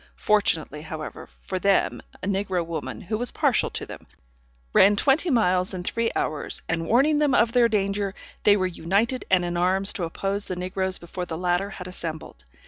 Fortunately, however, for them, a negro woman, who was partial to them, ran twenty miles in three hours, and warning them of their danger, they were united and in arms to oppose the negroes before the latter had assembled.